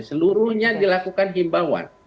seluruhnya dilakukan himbauan